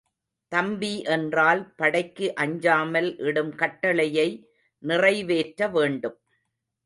தம்பி என்றால் படைக்கு அஞ்சாமல் இடும் கட்டளையை நிறைவேற்ற வேண்டும்.